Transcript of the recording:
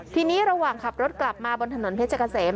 ทีนี้ระหว่างขับรถกลับมาบนถนนเพชรเกษม